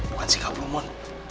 bukan sikap lu mon